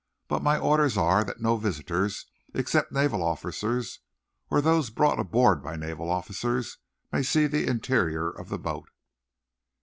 "But my orders are that no visitors except naval officers, or those brought aboard by naval officers, may see the interior of the boat."